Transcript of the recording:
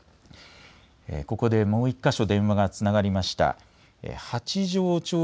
ここでもう１か所、電話がつながりました。